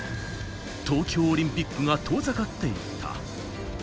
東京オリンピックが遠ざかっていった。